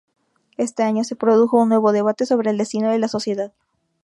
Ese año se produjo un nuevo debate sobre el destino de la Sociedad.